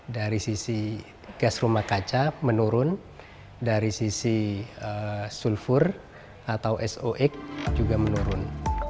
dari sisi gas rumah kaca menurun dari sisi sulfur atau soek juga menurun